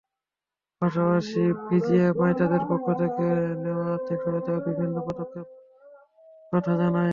পাশাপাশি বিজিএমইএ তাদের পক্ষ থেকে নেওয়া আর্থিক সহায়তাসহ বিভিন্ন পদক্ষেপের কথা জানায়।